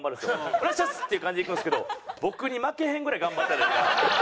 「お願いします！」っていう感じでいくんですけど僕に負けへんぐらい頑張ってたりとか。